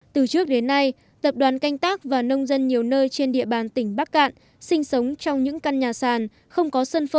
từ trước đến nay tập đoàn canh tác và nông dân nhiều nơi trên địa bàn tỉnh bắc cạn sinh sống trong những căn nhà sàn không có sân phơi